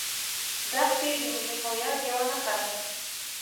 دښتې د ملي هویت یوه نښه ده.